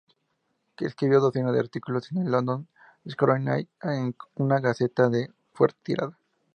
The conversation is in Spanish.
Escribió decenas de artículos en el "London Chronicle", una gaceta de fuerte tirada.